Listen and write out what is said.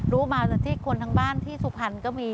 รู้มาตั้งแต่ที่คนทางบ้านที่สุพรรณก็มี